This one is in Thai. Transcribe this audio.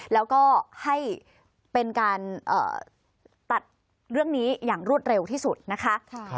แล้วก็ให้เป็นการตัดเรื่องนี้อย่างรวดเร็วที่สุดนะคะ